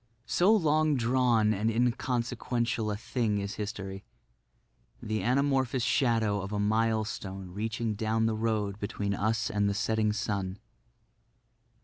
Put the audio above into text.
So long drawn and inconsequential a thing is history—the anamorphous shadow of a milestone reaching down the road between us and the setting sun.